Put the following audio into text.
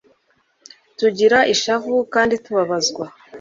tugira ishavu kandi tubabazwa